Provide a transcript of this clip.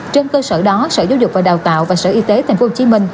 trên cơ sở đó sở giáo dục và đào tạo và sở y tế tp hcm